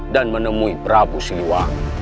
dan menemui prabu siliwati